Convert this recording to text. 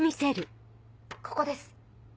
ここです。